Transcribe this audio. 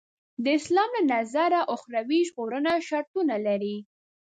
د اسلام له نظره اخروي ژغورنه شرطونه لري.